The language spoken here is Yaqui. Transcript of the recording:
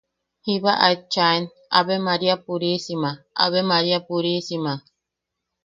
Jiba aet chaen: –¡Ave María purísima! ¡Ave María purísima!